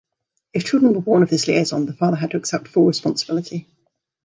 If children were born of this liaison, the father had to accept full responsibility.